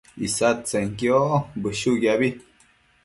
isadtsenquio bëshuquiabi